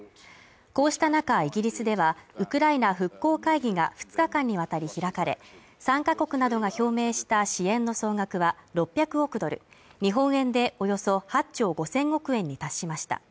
こうした中、イギリスではウクライナ復興会議が２日間にわたり開かれ、参加国などが表明した支援の総額は６００億ドル日本円でおよそ８兆５０００億円に達しました。